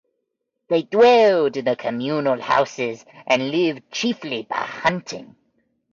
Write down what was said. They dwelled in communal houses and lived chiefly by hunting.